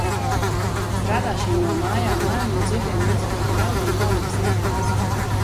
Strādāšana "no mājām" man un citiem institūta ļaudīm nav nekas neparasts.